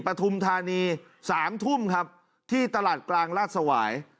ปฐุมธานี๓ทุ่มครับที่ตลาดกลางราชสวาย